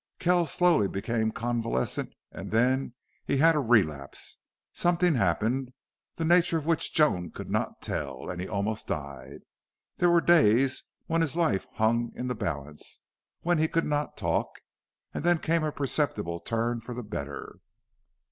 Kells slowly became convalescent and then he had a relapse. Something happened, the nature of which Joan could not tell, and he almost died. There were days when his life hung in the balance, when he could not talk; and then came a perceptible turn for the better.